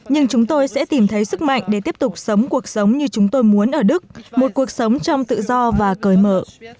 nhưng chúng tôi sẽ tìm thấy sức mạnh để tiếp tục sống cuộc sống như chúng tôi muốn ở đức một cuộc sống trong tự do và cởi mở